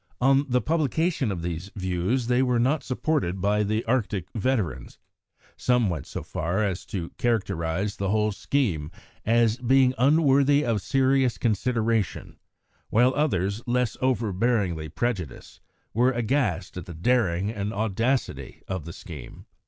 On the publication of these views, they were not supported by the Arctic veterans. Some went so far as to characterise the whole scheme as being unworthy of serious consideration, while others, less overbearingly prejudiced, were aghast at the daring and audacity of the scheme.